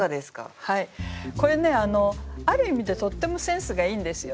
これねある意味でとってもセンスがいいんですよね。